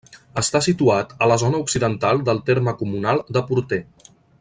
Està situat a la zona occidental del terme comunal de Portè.